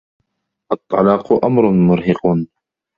الطّلاق أمر مرهق.